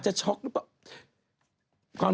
สวัสดีครับ